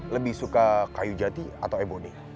lebih suka kayu jati atau eboni